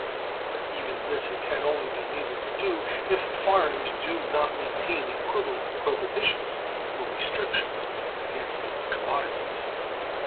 But even this it can only be enabled to do, if foreigners do not maintain equivalent prohibitions or restrictions against its commodities.